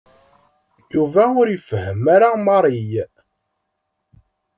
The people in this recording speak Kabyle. Yuba ur ifehhem ara Mary.